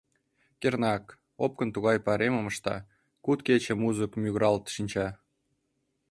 Кернак, опкын тугай пайремым ышта — куд кече музык мӱгыралт шинча.